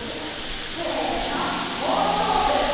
せーの、放送部！